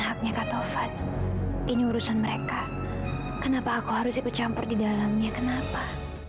haknya kata fad ini urusan mereka kenapa aku harus ikut campur di dalamnya kenapa